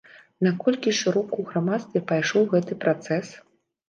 Наколькі шырока ў грамадстве пайшоў гэты працэс?